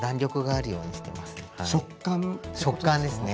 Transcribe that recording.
食感ですね。